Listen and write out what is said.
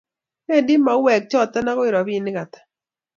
bendi mauwek choto ago robinik hata?